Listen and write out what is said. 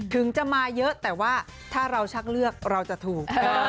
ถึงจะมาเยอะแต่ว่าถ้าเราชักเลือกเราจะถูก